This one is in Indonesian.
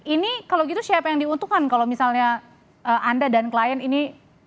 ini kalau gitu siapa yang diuntukkan kalau misalnya anda dan klien ini